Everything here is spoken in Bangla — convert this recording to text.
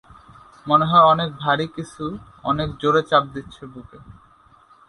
মনে হয় কিছু অনেক ভারী কিছু অনেক জোরে চাপ দিচ্ছে বুকে।